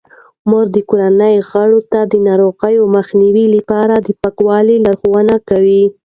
مور د کورنۍ غړو ته د ناروغیو د مخنیوي لپاره د پاکولو لارښوونه کوي.